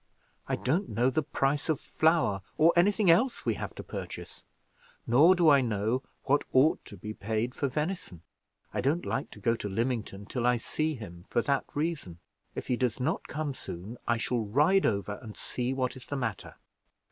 I don't know the price of flour, or anything else we have to purchase, nor do I know what I ought to be paid for venison. I don't like to go to Lymington till I see him for that reason. If he does not come soon, I shall ride over and see what is the matter."